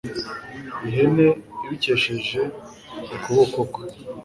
ihene ibikesheje ukuboko kwe